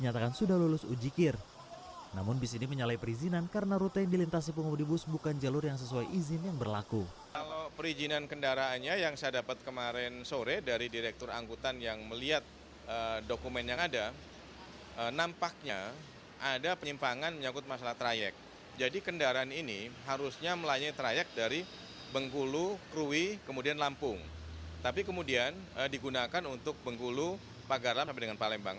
tapi kemudian digunakan untuk bengkulu pagarlam sampai dengan palembang